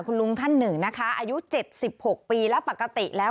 คุณลุงท่านหนึ่งนะคะอายุ๗๖ปีแล้วปกติแล้ว